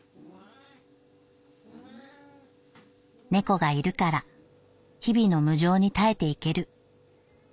「猫がいるから日々の無常に耐えていける。